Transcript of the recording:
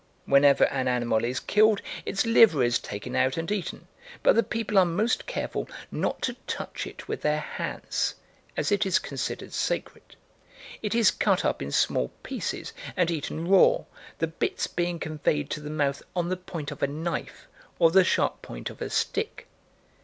"Whenever an animal is killed its liver is taken out and eaten, but the people are most careful not to touch it with their hands, as it is considered sacred; it is cut up in small pieces and eaten raw, the bits being conveyed to the mouth on the point of a knife, or the sharp point of a stick.